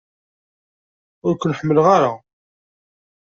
Ur ken-ḥemmleɣ ara.